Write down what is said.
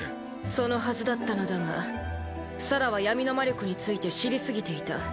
そのはずだったのだがサラは闇の魔力について知り過ぎていた。